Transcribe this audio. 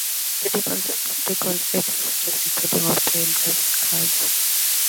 The deacons and subdeacons ate sausages and pudding or played dice and cards.